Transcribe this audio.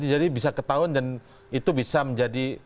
jadi bisa ketahuan dan itu bisa menjadi